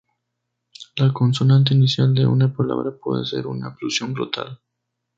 La consonante inicial de una palabra puede ser una oclusión glotal.